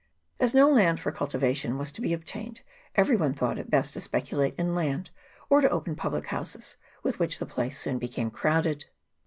As no land for cultivation was to be obtained, every one thought it best to speculate in land, or to open public houses, with 12 GENERAL REMARKS. [CHAP. I. which the place soon became crowded.